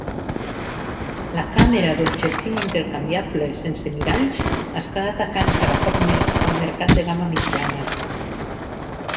La càmera d'objectiu intercanviable sense miralls està atacant cada cop més el mercat de gama mitjana.